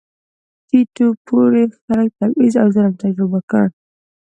ټیټ پوړي خلک تبعیض او ظلم تجربه کړل.